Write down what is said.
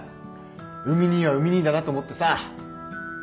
海兄は海兄だなと思ってさ。